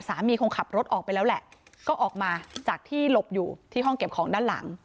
คงขับรถออกไปแล้วแหละก็ออกมาจากที่หลบอยู่ที่ห้องเก็บของด้านหลัง